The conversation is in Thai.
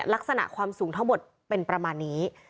ลักษณะความสูงทั้งหมดเป็นประมาณนี้